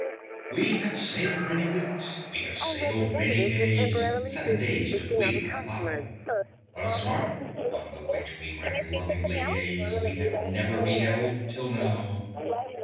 "We have sailed many weeks, we have sailed many days, (Seven days to the week I allow), But a Snark, on the which we might lovingly gaze, We have never beheld till now!